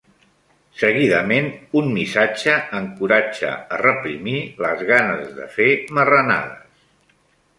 Seguidament, un missatge encoratja a reprimir les ganes de fer marranades.